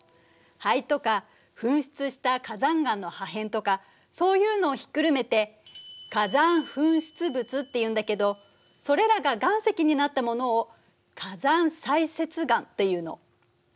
灰とか噴出した火山岩の破片とかそういうのをひっくるめて火山噴出物っていうんだけどそれらが岩石になったものを火山砕屑岩というの。